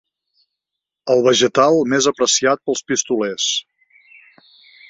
El vegetal més apreciat pels pistolers.